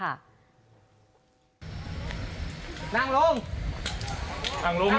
เอาหนังมือเอาหนังมือหน่อยนะ